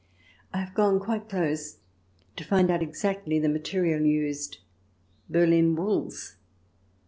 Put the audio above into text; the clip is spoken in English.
I have gone quite close to find out exactly the material used — Berlin wools.